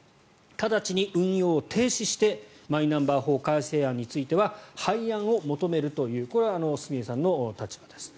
直ちに運用を停止してマイナンバー法改正案については廃案を求めるというこれは住江さんの立場です。